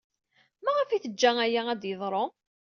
Maɣef ay teǧǧa aya ad d-yeḍru?